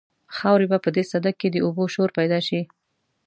خاورې به په دې سده کې د اوبو شور پیدا شي.